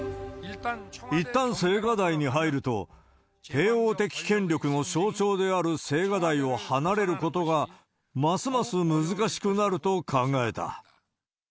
いったん青瓦台に入ると、帝王的権力の象徴である青瓦台を離れることが、ますます難しくなると考えた。